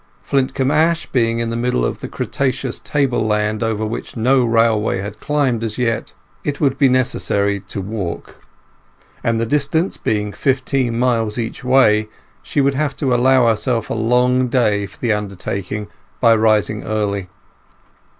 Flintcomb Ash being in the middle of the cretaceous tableland over which no railway had climbed as yet, it would be necessary to walk. And the distance being fifteen miles each way she would have to allow herself a long day for the undertaking by rising early.